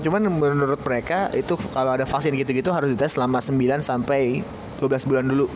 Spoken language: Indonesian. cuman menurut mereka itu kalau ada vaksin gitu gitu harus dites selama sembilan sampai dua belas bulan dulu